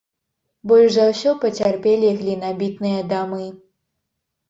Больш за ўсё пацярпелі глінабітныя дамы.